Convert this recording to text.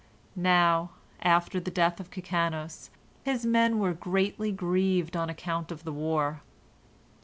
Now, after the death of Kikanos, his men were greatly grieved on account of the war.